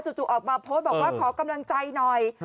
จู่ออกมาโพสต์บอกว่าขอกำลังใจหน่อย